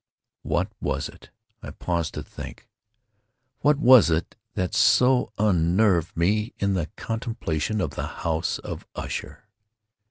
What was it—I paused to think—what was it that so unnerved me in the contemplation of the House of Usher?